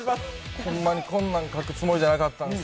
ホンマにこんなん書くつもりやなかったんです。